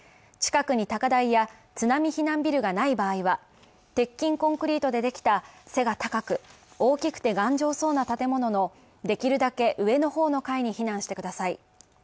近くに高台や津波避難ビルがない場合は、鉄筋コンクリートでできた背が高く、大きくて頑丈そうな建物のできるだけ上の方の階に避難してください。